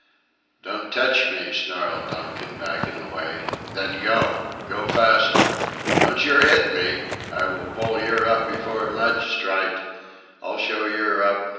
"Don't tech me," snarled Donkin, backing away. "Then go. Go faster." "Don't yer 'it me.... I will pull yer up afore the magistryt.... I'll show yer up."